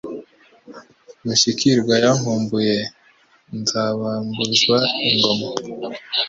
Mushyikirwa yankumbuye Nzabambuzwa ingoma.